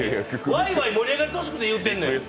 わいわい盛り上がってほしくて言うてんねん。